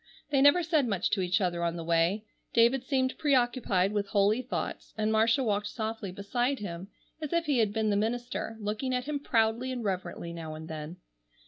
They never said much to each other on the way. David seemed preoccupied with holy thoughts, and Marcia walked softly beside him as if he had been the minister, looking at him proudly and reverently now and then.